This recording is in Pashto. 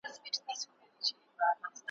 که ته چرګ نه وای پیدا، او ته زمری وای `